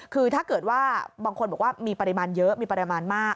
คือถ้าเกิดว่าบางคนบอกว่ามีปริมาณเยอะมีปริมาณมาก